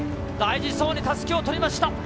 大事そうにたすきを取りました。